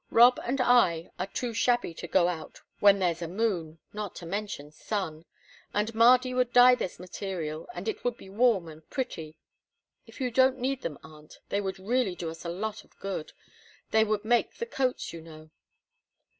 "Rob and I are too shabby to go out when there's a moon not to mention sun. And Mardy could dye this material, and it would be warm and pretty. If you don't need them, aunt, they would really do us a lot of good we would make the coats, you know."